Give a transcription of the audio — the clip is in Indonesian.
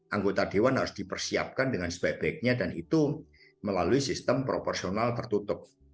anggota dewan harus dipersiapkan dengan sebaik baiknya dan itu melalui sistem proporsional tertutup